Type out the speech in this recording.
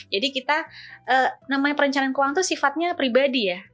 jadi kita namanya perencanaan keuangan itu sifatnya pribadi ya